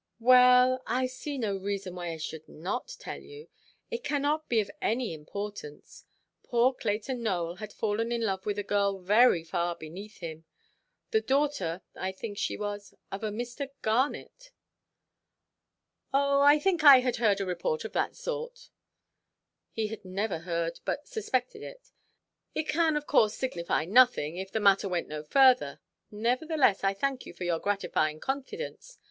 "Well, I see no reason why I should not tell you. It cannot be of any importance. Poor Clayton Nowell had fallen in love with a girl very far beneath him—the daughter, I think she was, of a Mr. Garnet." "Oh, I think I had heard a report of that sort"—he had never heard, but suspected it—"it can, of course, signify nothing, if the matter went no further; nevertheless, I thank you for your gratifying confidence.